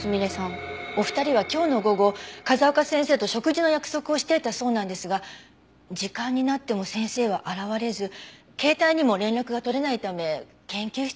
お二人は今日の午後風丘先生と食事の約束をしていたそうなんですが時間になっても先生は現れず携帯にも連絡が取れないため研究室のほうに。